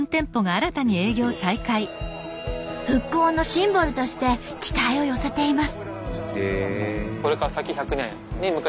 復興のシンボルとして期待を寄せています。